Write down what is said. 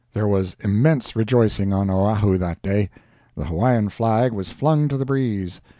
There was immense rejoicing on Oahu that day. The Hawaiian flag was flung to the breeze.